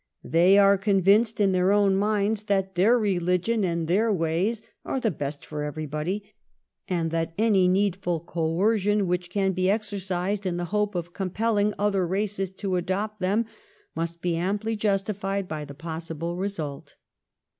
They are convinced in their own minds that their religion and their ways are the best for everybody, and that any needful coercion which can be exercised in the hope of compelling other races to adopt them must be amply justified by the possible result.